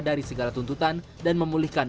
dari segala tuntutan dan memulihkan